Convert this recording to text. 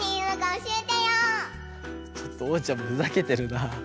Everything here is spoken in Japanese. ちょっとおうちゃんもふざけてるなあ。